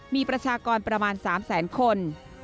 มีประชากรประมาณ๓แสนคน